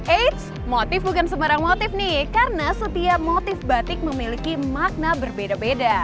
eits motif bukan sembarang motif nih karena setiap motif batik memiliki makna berbeda beda